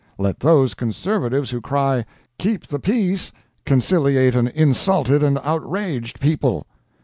Let those conservatives who cry "keep the peace" conciliate an insulted and outraged people.